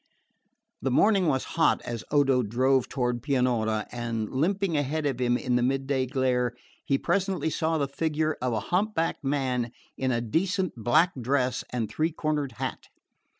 The morning was hot as Odo drove toward Pianura, and limping ahead of him in the midday glare he presently saw the figure of a hump backed man in a decent black dress and three cornered hat.